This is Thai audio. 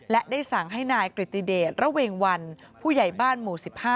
และได้สั่งให้นายกริติเดชระเวงวันผู้ใหญ่บ้านหมู่๑๕